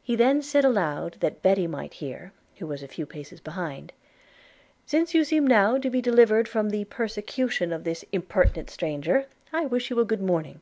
He then said aloud, that Betty might hear, who was a few paces behind, 'Since you seem now to be delivered from the persecution of this impertinent stranger, I wish you a good morning.'